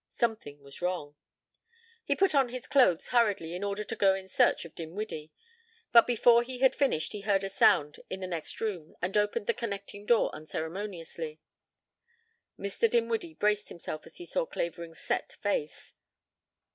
Something was wrong. He put on his clothes hurriedly in order to go in search of Dinwiddie, but before he had finished he heard a sound in the next room and opened the connecting door unceremoniously. Mr. Dinwiddie braced himself as he saw Clavering's set face.